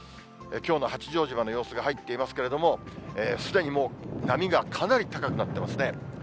きょうの八丈島の様子が入っていますけれども、すでにもう波がかなり高くなってますね。